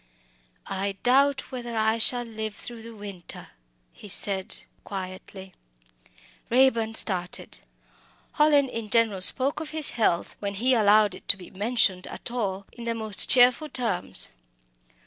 "I doubt whether I shall live through the winter," he said quietly. Raeburn started. Hallin in general spoke of his health, when he allowed it to be mentioned at all, in the most cheerful terms.